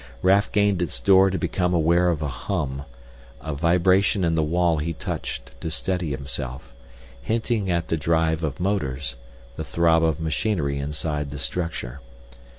Raf gained its door to become aware of a hum, a vibration in the wall he touched to steady himself, hinting at the drive of motors, the throb of machinery inside the structure.